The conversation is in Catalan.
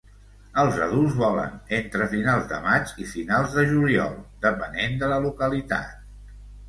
Els adults volen entre finals de maig i finals de juliol, depenent de la localitat.